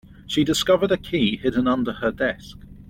She discovered a key hidden under her desk.